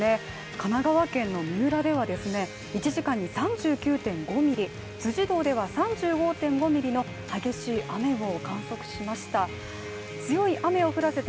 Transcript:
神奈川県の三浦ではですね、１時間に３９．５ミリ、辻堂では３５．５ミリの激しい雨を観測しました。